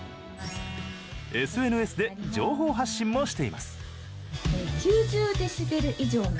ＳＮＳで情報発信もしています。